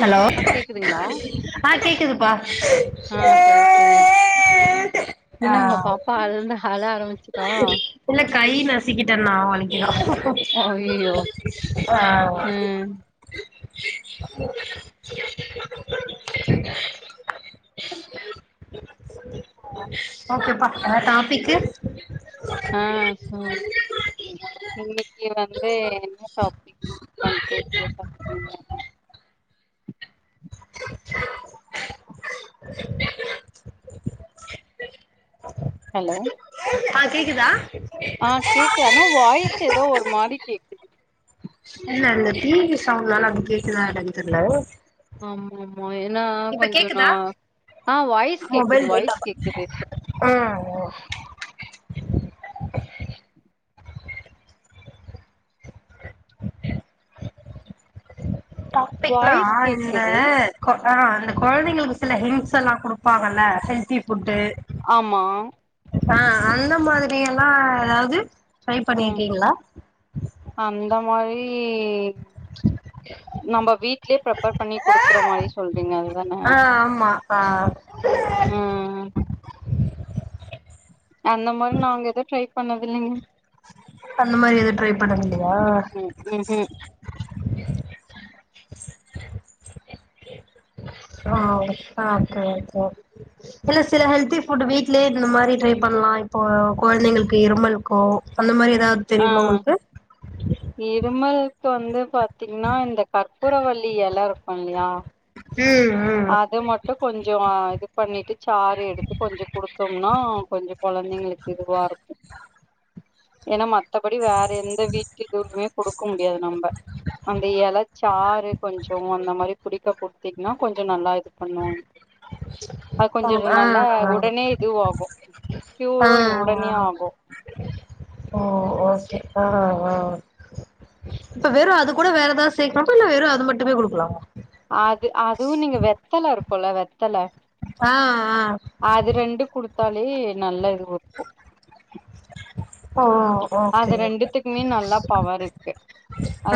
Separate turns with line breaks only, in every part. Hello
ஆ கேக்குதுங்களா
ஆ கேக்குதுப்பா
ஆ சரி சரி என்ன
ஆ
உங்க பாப்பா அது இருந்து அழ ஆரம்பிச்சுட்டா
இல்ல கை நசிக்கிட்டனா வலிக்கிதா
அய்யய்யோ
ஆ
ம்
ஓகேப்பா டாப்பிக்கு
ஆ சொல்லு இன்னைக்கு வந்து என்ன டாப்பிக் [inaudible] ஹலோ
ஆ கேக்குதா
ஆ கேக்கு ஆனா வாய்ஸு ஏதோ ஒரு மாரி கேக்கு
இல்ல இல்ல டீவி சவுண்ட்னால அப்டி கேக்குதா என்னான் தெர்ல
ஆமா ஆமா ஏன்னா
இப்ப
கொஞ்சொ நா
கேக்குதா
ஆ வாய்ஸ் கேக்குது வாய்ஸ் கேக்குது
ஆ பிக்னா
வாய்ஸ்
இந்த
கேக்குது
கொ ஆ அந்த கொழந்தைங்களுக்கு சில ஹிண்ட் எல்லா குடுப்பாங்கல்ல ஹெல்த்தி ஃபுட்டு
ஆமா
ஆ அந்த மாதிரி எல்லா ஏதாவ்து ட்ரை
ம்
பண்ணிருக்கீங்களா
அந்த மாரீ நம்ப வீட்லயே ப்ரிப்பர் பண்ணி குடுக்குற மாரி சொல்றீங்க அதுதான
ஆ ஆமா ஆ
ம் அந்த மாரி நாங்க எது ட்ரை பண்ணதில்லீங்க
அந்த மாரி எது ட்ரை பண்ணதில்லயா
ம்ம்
அ ஓகே ஓகே ஓகே இல்ல சில ஹெல்த்தி ஃபுட்டு வீட்லயே இந்த மாரி ட்ரை பண்லா இப்போ கொழந்தைங்களுக்கு இருமல்க்கு அந்த மாரி எதாத் தெரியுமா உங்களுக்கு
இருமல்க் வந்து பாத்தீங்ன்னா இந்த கற்பூரவள்ளி எல இருக்கு இல்லயா
ம் ம்
அது மட்டு கொஞ்சோ இது பண்ணிட்டு சாறு எடுத்து கொஞ்சோ குடுத்தம்னா கொஞ்சோ கொழந்தைங்களுக்கு இதுவா இருக்கு ஏனா ம த்தபடி வேற எந்த வீட்டு இதுவ்மே குடுக்க முடியாது நம்ப அந்த எலச்சாறு கொஞ்சோ அந்த மாரி குடிக்க குடுத்தீங்ன்னா கொஞ்சோ நல்லா இது பண்ணு அது
ஓ
கொஞ்சோ
ஆ
நல்லா
ஆ
உடனே இதுவாகு
ஆ
க்யூரு என்
ஆ
உடனே ஆகு
ஓ ஓ சேர் ஆ ஆ இப்ப வெறு அது கூட வேற எதாத் சேக்லாமா இல்ல வெறு அது மட்டுமே குடுக்கலாமா
அது அதுவு நீங்க வெத்தல இருக்குல்ல வெத்தல
ஆ ஆ
அது ரெண்டு குடுத்தாலே நல்ல இது குடுக்கு
ஓ
அது
ஓகே
ரெண்டுத்துக்மே நல்லா பவர் இர்க்கு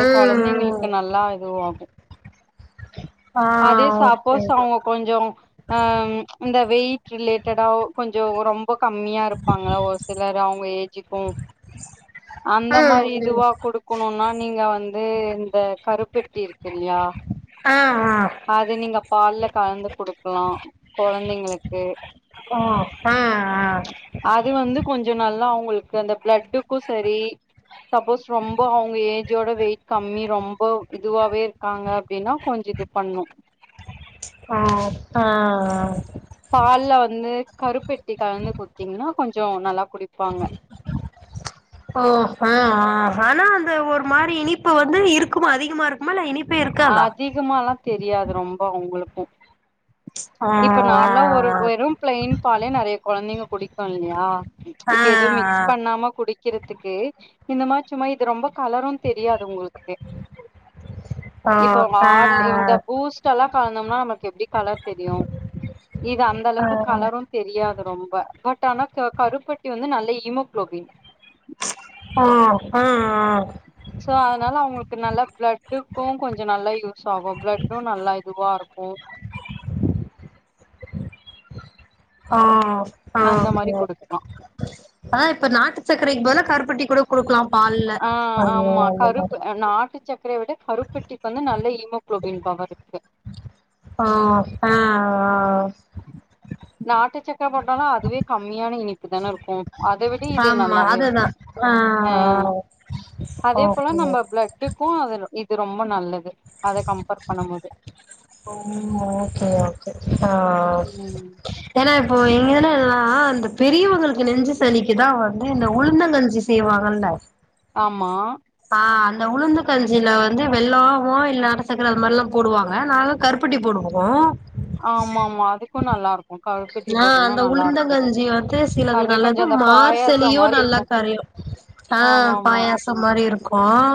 ஆ
கொழந்தைங்களுக்கு நல்லா இதுவாகு
ஆ
அதே
ஓகே
சப்போஸ் அவ்ங்க கொஞ்சோ ஆ இந்த வெயிட் ரிலேட்டடா கொஞ்சோ ரொம் ப கம்மியா இருப்பாங்கல்ல ஒரு சிலரு அவ்ங்க ஏஜுக்கு அந்த
ஆ
மாரி
ம்
இதுவா குடுக்கணுன்னா நீங்க வந்து இந்த கருப்பட்டி இருக்கில்லயா
ஆ ஆ
அது நீங்க பால்ல கலந்து குடுக்கலா கொழந்தைங்ளுக்கு
ஓ ஆ ஆ
அது வந்து கொஞ்சோ நல்லா அவுங்கள்க்கு அந்த ப்ளட்டுக்கு செரி சப்போஸ் ரொம்ப அவுங்க ஏஜோட வெயிட் கம்மி ரொம்ப இதுவாவே இர்க்காங்க அப்டினா கொஞ்சோ இது பண்ணு
ஆ ஆ ஆ
பால்ல வந்து கருப்பட்டி கலந்து குட்த்தீங்ன்னா கொஞ்சோ நல்லா குடிப்பாங்க
ஓ ஆ ஆ ஆனா அந்த ஒர் மாரி இனிப்பு வந்து இருக்குமா அதிகமா இருக் குமா இல்ல இனிப்பே இருக்காதா
அதிகமாலா தெரியாது ரொம்போ உங்களுக்கு
ஆ
இப்ப நார்மலா ஒரு வெறு பிளைன் பாலே நெறைய கொழந்தைங்க குடிக்கு இல்லியா
ஆ
இப்ப எது மிக்ஸ் பண்ணாம குடி க்கிறத்துக்கு இந்த மாரி சும்மா இது ரொம்ப கலரு தெரியாது உங்களுக்கு
ஆ
இப்போ
ஆ
ஆர்லே இந்த
ஆ
பூஸ்ட்டல்லா கலந்தம்னா நமக் எப்டி கலர் தெரியு இது
ஆ
அந்தளவுக்கு கலரு தெரியாது ரொம்ப பட் ஆனா க கருப்பட்டி வந்து நல்ல ஈமோக்ளோபின்
ஆ ஆ ஆ
சோ அதனால அவுங்களுக்கு நல்லா பிளட்டுக்கு கொஞ்ச நல்லா யூஸ் ஆகு பிளட்டூ நல்லா இதுவா இருக்கு
ஆ ஆ
அந்த மாரி
சேர்
குடுக்கலா
ஆ இப்ப நாட்டு சக்கரைக்கு பதிலா கருப்பட்டி கூ குடுக்லா பால்ல
ஆ
ஐயோ
ஆமா
அந்த மாரி
கருப்பு நாட்டு சக்கரய விட கருப்பெட்டிக்கு வந்து நல்ல ஹீமோகுளோபின் பவர் இருக்கு
ப ப ஆ
நாட்டுச்சக் கரப் போட்டாலு அதுவே கம்மியான இனிப்பு தானே இருக்கு அத விட இது
ஆமா
நல்லாவே
அதுதா
இருக்கு
ஆ
அ அதே போல
ஓகே
நம்ம பிளட் ட்டுக்கு அது இது ரொம்ப நல்லது அத கம்பேர் பண்ணும் போது
ம் ஓகே ஓகே ஆ
ம்
ஏனா இப்போ இங்கன எல்லா அந்த பெரியவங்களுக்கு நெஞ்சு சளிக்குதா வந்து இந்த உளுந்தங்கஞ்சி செய்வாங்கல்ல
ஆமா
ஆ அந்த உளுந்து கஞ்சில வந்து வெல்லமோ இல்ல நாட்டு சக்கர அது மாரில்லா போடுவாங்க நாங்க கருப்பட்டி போடுவோ
ஆமா ஆமா அதுக்கு நல்லா இருக்கு கருப்பட்டி
ஆ
போட்டோம்னா
அந்த
நல்லா இருக்கு
உளுந்தங்கஞ்சி வந்து சிலது
அப்டியே கொஞ்சோ
நல்லது
அந்த பாயாசோ
மார்சளியு
மாரி
நல்லா
இருக்கு
கரையு ஆ
ஆமா ஆமா
பாயாசோ மாரி இருக்கு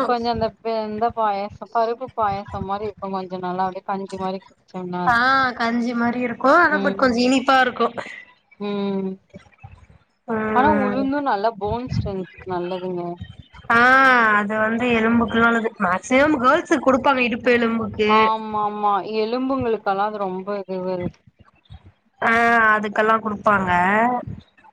கொஞ்சோ அந்த இந்த பாயாசோ பருப்பு பாயசம் மாரி இருக்கு கொஞ்சோ நல்லாவே கஞ்சி மாரி குடிச்சோம்னா
ஆ
அது
கஞ்சி மாரி இருக்கு ஆனா பட் கொஞ்சோ
ம்
இனிப்பா இருக்கு
ம் ஆனா
ம்
உளுந்து நல்லா போன் ஸ்டென்த்துக்கு நல்லதுங்க
ஆ அது வந்து எலும்புக்கு நல்லது மேக்சிமம் கேர்ள்ஸுக்கு குடுப்பாங்க இடுப்பு எலும்புக்கு
ஆமாம்மா எலும்புங்களுக்கெல்லா அது ரொம்ப இதுவது
ஆ அதுக்கெல்லா குடுப்பாங்க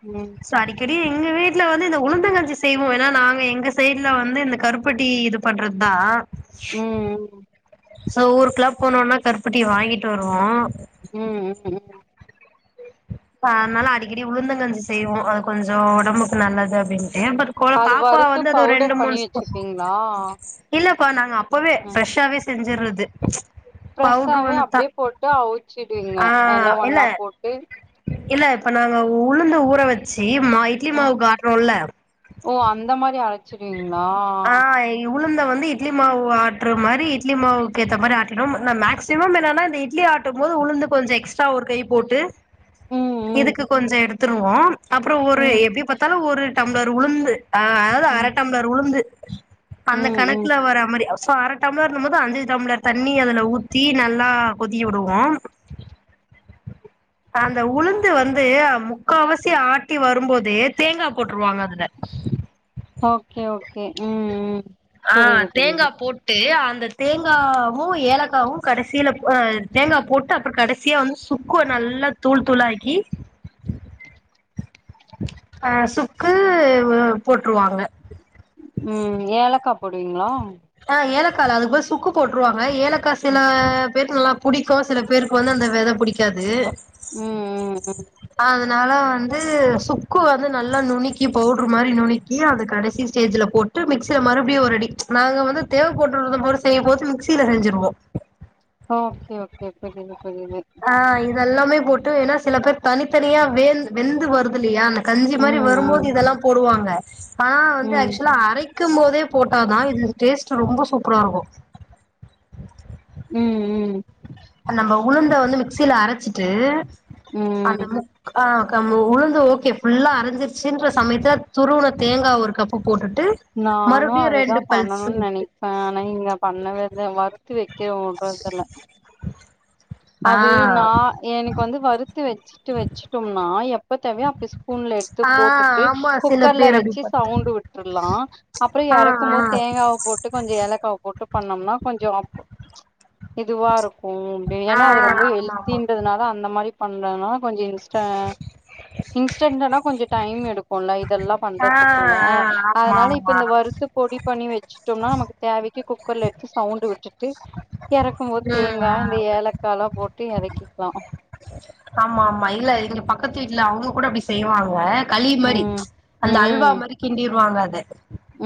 ம்
அடிக்கடி எங்க வீட்ல வந்து இந்த உளுந்தங்கச்சி செய்வோ ஏனா நாங்க எங்க சைட்ல வந்து இந்த கருப்பட்டி இது பண்றது தா
ம் ம்
சோ ஊருக்குலா போனோன்னா கருப்பட்டிய வாங்கிட்டு வருவோ
ம் ம் ம்
ப அதனால அடிக்கடி உளுந்துங்கஞ்சி செய்வோம் அது கொஞ்சம் உடம்புக்கு நல்லது அப்டின்ட்டு கோல
அது
பாப்பாவ
வறுத்து
வந்து அது ஒரு ரெண்டு,
பவுடர் பண்ணி
மூணு ஸ்பூன்
வச்சுப்பீங்களா
இல்லப்பா நாங்க அப்பவே
ம்
ஃப்ரெஷ்ஷாவே செஞ்சடுறது
ஃப்ரெஷ்ஷாவே அப்டியே போட்டு அவிச்சிடுவிங்க
ஆ
எல்லாம்
இல்ல
ஒன்னா போட்டு
இல்ல இப்ப நாங்க உளுந்த ஊற வச்சு மா இட்லி
ஆ
மாவு ஆட்டரோம்ல்ல
ஓ அந்த மாரி அரைச்சிடுவிங்களா
நீ உளுந்த வந்து இட்லி மாவு ஆட்ற மாரி இட்லி மாவுக்கு ஏத்த மாரி ஆட்டினும் மேக்சிமம் என்னன்னா இந்த இட்லி ஆட் ஆட்டும் போது உளுந்து கொஞ்சம் எக்ஸ்ட்ரா ஒரு கை போட்டு
ம் ம்
இதுக்கு கொஞ்சம் எடுத்துருவோம் அப்பறம் ஒரு
ம்
எப்டி பாத் இருத்தாலும் ஒரு டம்ளர் உளுந்து ஆ
ம்
இநத ஒரு உளுந்து அந்த
ம் ம்
கணக்குல வர மாரி சோ அர டம்ளர்னும் போது அஞ்சு டம்ளர் தண்ணி அதுல ஊத்தி நல்லா கொதிக்க விடுவோம்.
[inaudible]
அந்த உளுந்து வந்து முக்காவாசி ஆட்டி வரும்போதே தேங்கா போட்டுருவாங்க அதுல
ஓகே ஓகே ம் ம் புரியிது புரியிது
ட்டு அந்த தேங்காவு, ஏலக்காவு கடசியில அ தேங்கா போட் ட்டு அப்புறோ கடசியா வந்து சுக்கு நல்லா தூள் தூளாக்கி அ சுக்குவு போட்டுருவாங்க
ம் ஏலக்கா போடுவீங்களா
ஆ ஏலக்கா இல்ல அதுக்கு பதில சுக்கு போட்டுருவாங்க ஏலக்கா சில
ம்
பேர்க்கு நல்லா புடிக்கு சில பேருக்கு வந்து அந்த வெத புடிக்காது.
ம் ம் ம்
அதனால வந்து சுக்கு வந்து நல்லா நுணக்கி பவுட்ரு மாரி நுணக்கி அது கடசி ஸ்டேஜ்ல போட் ட்டு மிக்சில மறுபடியு ஒரு அடி நாங்க வந்து தேவப்பட்டுருந்த போது செய்யு போது மிக்சியில செஞ்சிருவோ
ஓகே ஓகே புரியுது புரியுது
ஆ இதெல்லாமே போட்டு ஏன்னா சில பேர் தனித்தனியா வேண் வெந்து வருதுல்லையா அந்த கஞ்சி மாரி வருபோது
ம்
இதெல்லா போடுவாங்க ஆனா வந்து
ம்
ஆக்சுலா அரைக் க்கும் போதே போட்டாதா இது டேஸ்ட் ரொம்ப சூப்பரா இருக்கு
ம் ம்
நம்ம உளுந்த வந்து மிக்சியில அரச்சிட்டு அந்த
ம்
முக் ஆ க்காம உளுந்து ஓகே ஃபுல்லா அரஞ்சிருச்சின்ற சமயத்தல துருவன தேங்கா ஒரு கப்பு போட்டுட்டு
நானு
மறுபடியு
அதுதா
ரெண்டு பல்ஸ்
பண்ணுன்
விட்டு
நெனைக். ப்பே ஆனா இங்க பண்ணவேத வறுத்து வைக்கவுடறது இல்ல
[inaudible] ஆ
அது நா எனக்கு வந்து வருத்து வச்சிட்டு வச்சிட்டோம்னா எப்ப தேவையோ அப்ப ஸ்பூன்ல எடுத்து
ஆ
போட்டுட்டு
ஆமா சில
குக்கர்ல
பேர் அப்டி
வச்சி
பண்
சவுண்டு விட்டரலா அப்புறோ
ஆ
இறக்கும் போது தேங்காவ போட் ட்டு கொஞ்ச ஏலக்காவ போட்டு பண்ணம்னா கொஞ்சோ அப் இதுவா இருக்கு.
ஆ ஆ
ஏனா அது ரொம்ப
ஆமா ஆமா
ஹெல்தின்றதுனால அந்த மாரி பண்றனா கொஞ்ச இன்ஸ்ட் இன்ஸ்டன்னா கொஞ்ச டைம் எடுக் போல்ல இதெல்லா
ஆ
பண்றதுக்குள்ள
ஆ ஆமா
அதனால இப்ப
ஆமா
இந்த வறுத்து பொடி பண்ணி வச் ச்சுடோம்னா நமக்கு தேவைக்கு குக்கர்ல எடுத்து சவுண்ட் விட்டுட்டு எறக்கு போது
ம் ஆ
தேங்கா எலக்காலா போட்டு எறக்கிக்கலா
ஆமா ஆமா இல்ல இதுல பக்கத்து வீட்ல அவுங்க கூட அப்பிடி செய்வாங்க களி மாரி
ம் ம்
அந்த அல்வா மாரி கிண்டிருவாங்க அத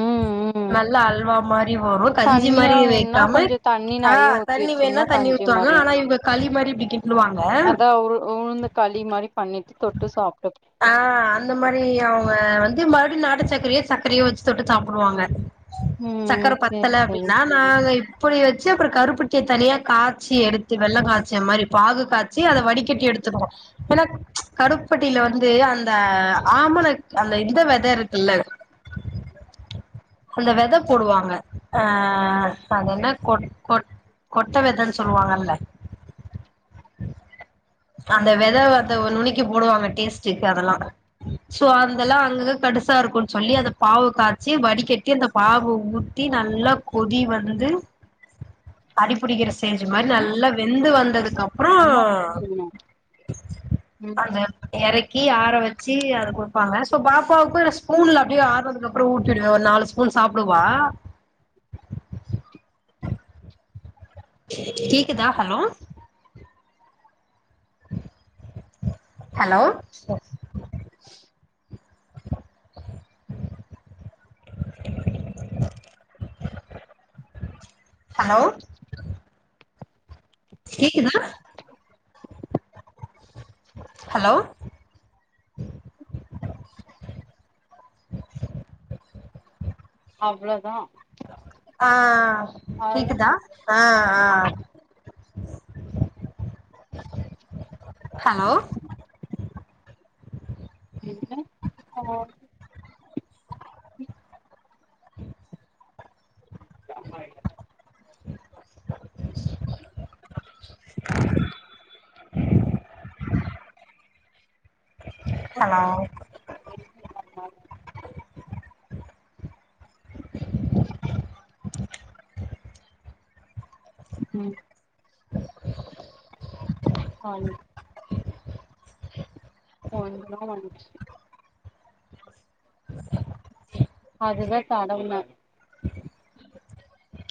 ம் ம் ம்
நல்லா அல்வா மாரி வரு கஞ்சி
தண்ணியா
மாரி
வேணுன்னா
வைக்காம
கொஞ்ச தண்ணி
ஆ
நெறைய ஊத்தி
தண்ணி வேணா
வச்சோம்னா
தண்ணி
காஞ்சி
ஊத்துவாங்க
மாரியு
ஆனா இவங்க களி மாரி இப்டி கிண்டுவாங்க
அதா உரு உளுந்து களி மாரி பண்ணிட்டு தொட்டு சாப்பிட்டு
ஆ அந்த மாரி அவங்க வந்து மறுபடியு நாட்டு சர்கரையோ சர்க்கரையோ வச்சி தொட்டு சாப்புடுவாங்க
ம்
சக்கர
சேரி
பத்தல
சேரி
அப்டின்னா நாங்க இப்பிடி வச்சி அப்புறோ கருப்பட்டிய தனியா காய்சி எடுத்து வெள்ள காய்ச்ச மாரி பாகு காச் ச்சி அத வடக்கட்டி எடுத்துக்குனு ஏனா கருப்பட்டியில வந் து அந்த ஆமணக் அந்த இந்த வெத இருக்குல்ல அந்த வெத போடுவாங்க அ அத என்ன கொட் கொட் கொட்ட வெதன்னு சொல்லுவாங்கல்ல அந்த வெத அத நுனுக்கி போடுவாங்க டேஸ்ட்டுக்கு அதெல்லா சோ அந்தெல்லா அங்கலா கடுசா இருக்குன் சொல்லி அத பாவ காச்சி வடி கட்டி அந்த பாக ஊ த்தி நல்லா கொதி வந்து
[unintelligible]
அடிபிடிக்கிற ஸ்டேஜ் மாரி நல்லா வெந்து வந்ததுக்கு அப்ற
அம்மா வர்லிய இன்னொ
அந்த எறக்கி ஆற வெச்சு அத குடுப்பாங்க சோ பாப்பாவுக்கு ஸ்பூன்ல அப்டியே ஆறுனதுக்கப்றோ ஊட்டிடுவே ஒரு நாலு ஸ்பூன் சாப்பிடுவா கேக்குதா ஹலோ ஹலோ
[unintelligible]
ஹலோ கேக்குதா ஹலோ
உ அவ்ளதா
ஆ கேக்குதா ஆ ஆ ஹலோ
கேக்குதா ஹலோ ம்
ம்
ஆமா இ
[unintelligible] ஹலோ
[inaudible] ம்
[unintelligible]
ன்
[inaudible]
ஒன்னு வந்ச்சு
[unintelligible]
அதுதா தடம்ன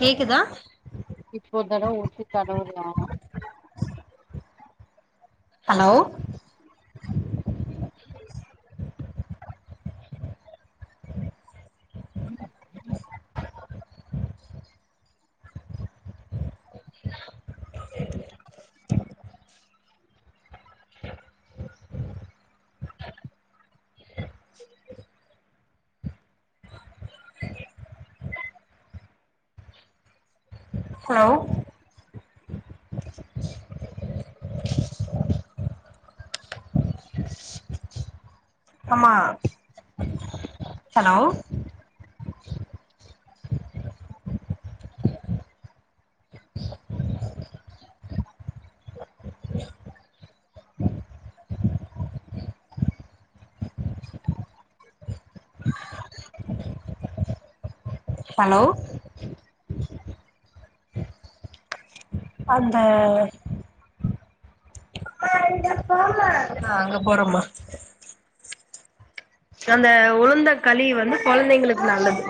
கேக்குதா
இப்ப அதலா ஊத்தி தடவனு
ஹலோ
ம்
[unintelligible]
[unintelligible]
ஹலோ ஆமா ஹலோ உஹ
ஓ
ஹலோ அந்த ஆ அங்க போறோமா அந்த உளுந்த களி வந்து குழந்தைங்களுக்கு நல்லது